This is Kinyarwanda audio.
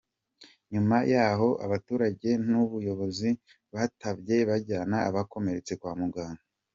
Nyuma yaho abaturage n’ubuyobozi batabaye bajyana abakomeretse kwa muganga.